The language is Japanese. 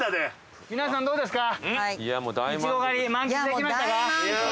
皆さんどうですか？